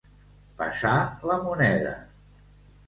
Passar la moneda.